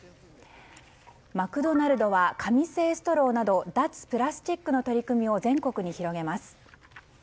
マクドナルドは紙製ストローなど脱プラスチックの取り組みを全国に広げます。